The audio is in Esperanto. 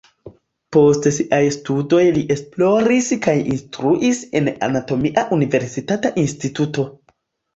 Post siaj studoj li esploris kaj instruis en anatomia universitata instituto.